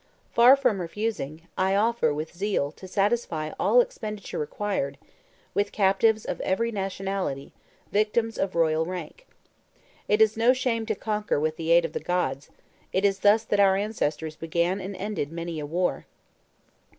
Far from refusing, I offer, with zeal, to satisfy all expenditure required, with captives of every nationality, victims of royal rank. It is no shame to conquer with the aid of the gods; it is thus that our ancestors began and ended many a war."